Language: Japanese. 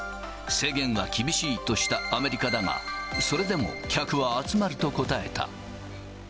制限が厳しいとしたアメリカだが、それでも客は集まると答えた。